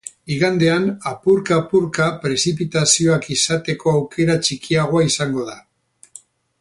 Igandean, apurka-apurka, prezipitazioak izateko aukera txikiagoa izango da.